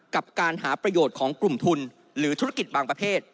กับการหาประโยชน์ของกลุ่มทุนหรือธุรกิจบางประเภท